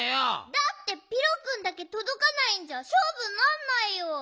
だってピロくんだけとどかないんじゃしょうぶになんないよ。